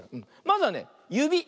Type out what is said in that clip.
まずはねゆび。